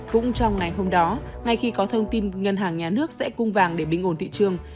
cũng trong ngày hôm đó ngay khi có thông tin ngân hàng nhà nước sẽ cung vàng để bình ổn thị trường